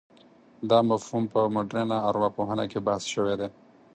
دا مفهوم په مډرنه ارواپوهنه کې بحث شوی دی.